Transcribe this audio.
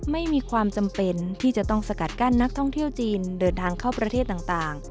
ไม่มีความจำเป็นที่จะต้องสกัดกั้นนักท่องเที่ยวจีนเดินทางเข้าประเทศต่าง